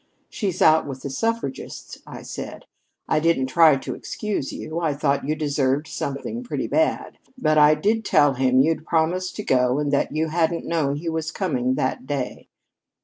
'She's out with the suffragists,' I said. I didn't try to excuse you. I thought you deserved something pretty bad. But I did tell him you'd promised to go and that you hadn't known he was coming that day.